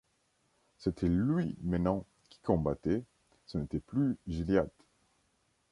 C’était lui maintenant qui combattait, ce n’était plus Gilliatt.